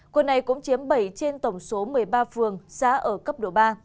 quận này cũng chiếm bảy trên tổng số một mươi ba phường xã ở cấp độ ba